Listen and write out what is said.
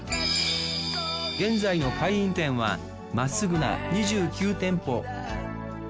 現在の会員店はまっすぐな２９店舗。